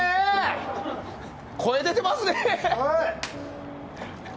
声出てますね。